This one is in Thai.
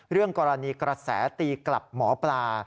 เรื่องกรณีกระแสตีกลับหมอปลา